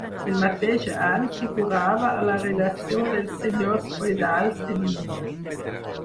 El mateix any figurava a la relació dels senyors feudals de l'illa.